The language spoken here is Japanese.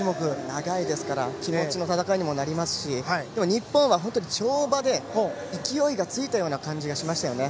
長いですから気持ちの戦いにもなりますし日本は本当に跳馬で勢いがついたような感じがしましたよね。